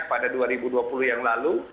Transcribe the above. pada dua ribu dua puluh yang lalu